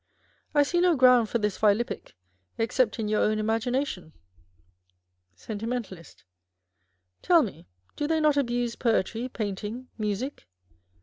I see no ground for this philippic, except in your own imagination. Sentimentalist. Tell me, do they not abuse poetry, paint ing, music